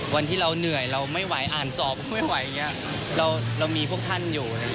วันที่เราเหนื่อยเราไม่ไหวอ่านสอบไม่ไหวอย่างนี้เรามีพวกท่านอยู่